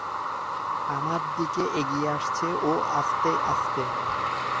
আমার দিকে এগিয়ে আসছে ও আস্তেআস্তে